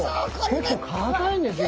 結構かたいんですよ。